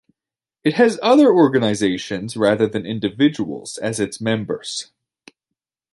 It has other organisations rather than individuals as its members.